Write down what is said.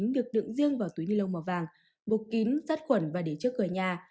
được đựng riêng vào túi ni lông màu vàng buộc kín sát quần và để trước cửa nhà